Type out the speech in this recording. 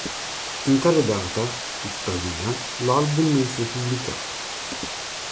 In tale data, tuttavia, l'album non fu pubblicato.